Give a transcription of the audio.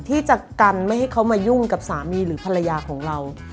ที่จะกันไม่ให้เขามายุ่งกับสามีหรือภรรยาของเรา